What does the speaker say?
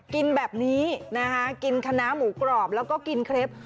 กินแบบนี้นะคะกินคณะหมูกรอบแล้วก็กินเคล็บ